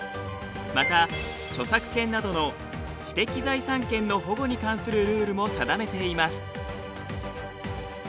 また著作権などの知的財産権の保護に関するルールも定めています。